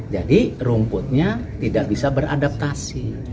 rumputnya tidak bisa beradaptasi